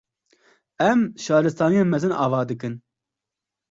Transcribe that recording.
Em Şaristaniyên mezin ava dikin